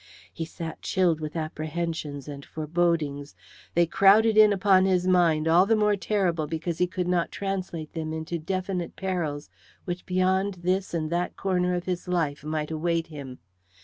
He sat chilled with apprehensions and forebodings. They crowded in upon his mind all the more terrible because he could not translate them into definite perils which beyond this and that corner of his life might await him.